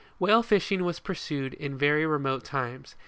Whale fishing was pursued in very remote times.